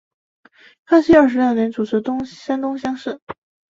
康熙二十六年主持山东乡试。